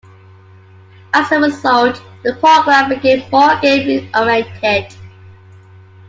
As a result, the programme became more game oriented.